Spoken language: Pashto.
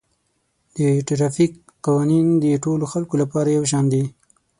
د ټرافیک قوانین د ټولو خلکو لپاره یو شان دي